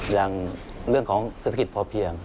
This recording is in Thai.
อย่างเรื่องของศัตริภิกษ์พอเพียง